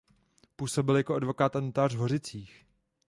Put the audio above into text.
Působil jako advokát a notář v Hořicích.